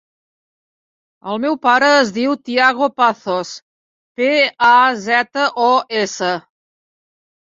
El meu pare es diu Tiago Pazos: pe, a, zeta, o, essa.